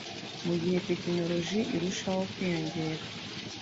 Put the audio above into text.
Mu gihe tekinoloji irushaho kwiyongera